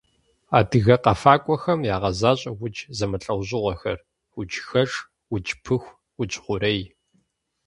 Адыгэ къэфакӏуэхэм ягъэзащӏэ удж зэмылӏэужьыгъуэхэр: уджхэш, удж пыху, удж хъурей.